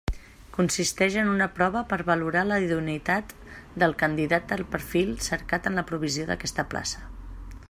Consisteix en una prova per valorar la idoneïtat del candidat al perfil cercat en la provisió d'aquesta plaça.